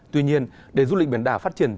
tuy nhiên để du lịch biển đảo phát triển